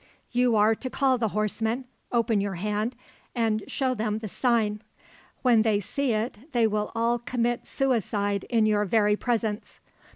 You are to call the horsemen, open your hand, and show them the sign. When they see it they will all commit suicide in your very presence.